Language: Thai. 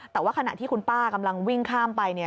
แต่ว่าขณะที่คุณป้ากำลังวิ่งข้ามไป